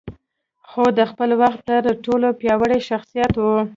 خو د خپل وخت تر ټولو پياوړی شخصيت و.